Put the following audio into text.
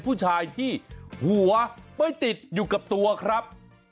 ผู้ชายที่หัวไม่ติดอยู่กับตัวครับ